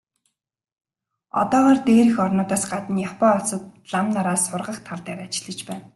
Одоогоор дээрх орнуудаас гадна Япон улсад лам нараа сургах тал дээр ажиллаж байна.